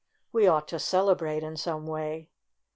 We ought to celebrate in. some way."